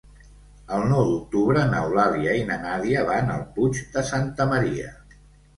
El nou d'octubre n'Eulàlia i na Nàdia van al Puig de Santa Maria.